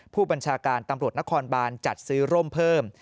ผู้บัญชาการตำรวจนครบานจัดซื้อร่มเพิ่ม